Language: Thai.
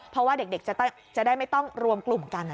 เพราะว่าเด็กจะได้ไม่ต้องรวมกลุ่มกัน